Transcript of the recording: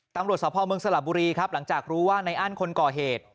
ตำรวจสภเมืองสลับบุรีครับหลังจากรู้ว่าในอั้นคนก่อเหตุ